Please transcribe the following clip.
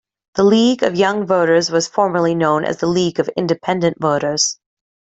The League of Young Voters was formerly known as the League of Independent Voters.